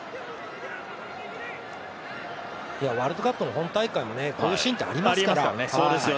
ワールドカップの本大会もこういうシーンってありますから。